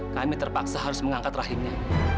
kami terpaksa harus mengangkat rahimnya